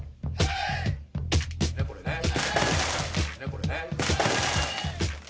これね。